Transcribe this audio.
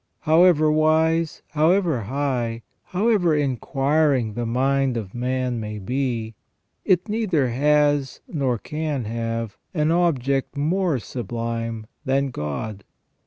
However wise, however high, however inquiring the mind of man may be, it neither has, nor can have, an object more sublime than God.